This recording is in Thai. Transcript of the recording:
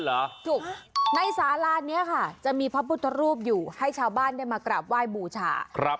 ใช่ในสาลานี้จะมีพระพุทธรูปอยู่ให้เจ้าบ้านได้วายบูฉา